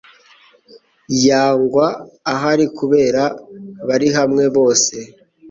yangwa ahari kubera bari hamwe bose